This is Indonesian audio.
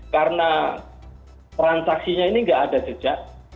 karena transaksinya ini tidak ada jejak